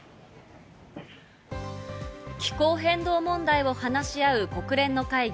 気候変動問題を話し合う国連の会議